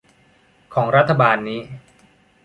ของรัฐบาลนี้